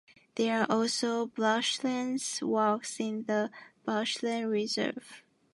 There are also bushland walks in this bushland Reserve.